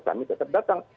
kami tetap datang